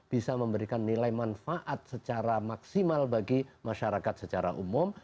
bisa memberikan nilai manfaat secara maksimal bagi masyarakat secara umum